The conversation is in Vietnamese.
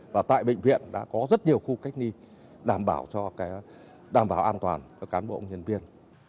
và tại bệnh viện đã có rất nhiều khu cách nghi đảm bảo an toàn của cán bộ nhân viên